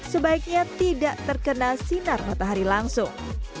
sebaiknya tidak terkena sinar matahari langsung